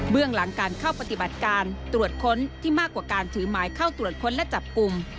เรื่องหลังการเข้าปฏิบัติการตรวจค้นที่มากกว่าการถือหมายเข้าตรวจค้นและจับกลุ่ม